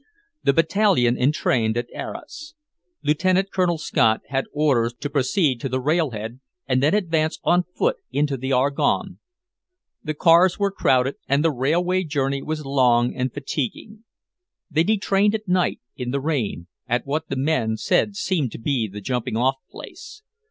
The Battalion entrained at Arras. Lieutenant Colonel Scott had orders to proceed to the railhead, and then advance on foot into the Argonne. The cars were crowded, and the railway journey was long and fatiguing. They detrained at night, in the rain, at what the men said seemed to be the jumping off place.